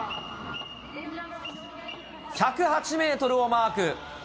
１０８メートルをマーク。